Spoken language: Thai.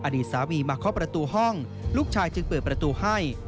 อดีตสามีมาเคาะประตูห้องลูกชายจึงเปิดประตูให้